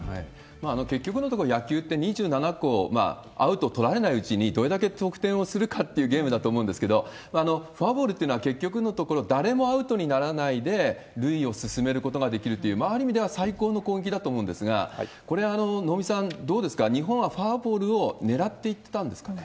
結局のところ、野球って２７個アウト取られないうちに、どれだけ得点をするかっていうゲームだと思うんですけれども、フォアボールというのは、結局のところ、誰もアウトにならないで塁を進めることができるっていう、ある意味では最高の攻撃だと思うんですが、これ、能見さん、どうですか、日本はフォアボールをねらっていったんですかね？